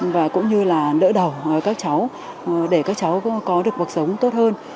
và cũng như là đỡ đầu các cháu để các cháu có được cuộc sống tốt hơn